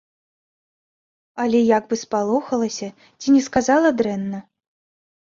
Але як бы спалохалася, ці не сказала дрэнна.